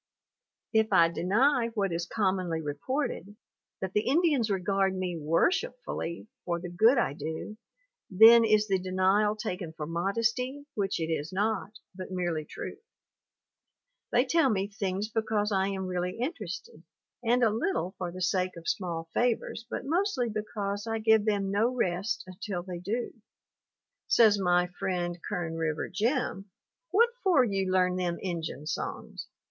If I deny what is commonly reported, that the Indians regard me worshipfully for the good I do, then is the denial taken for modesty which it is not, but merely truth. They tell me things because I am really interested and a little for the sake MARY AUSTIN 169 of small favors but mostly because I give them no rest until they do. Says my friend Kern River Jim, "What for you learn them Injun songs?